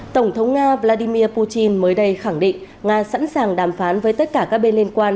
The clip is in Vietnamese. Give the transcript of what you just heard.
tổng thống nga vladimir putin mới đây khẳng định nga sẵn sàng đàm phán với tất cả các bên liên quan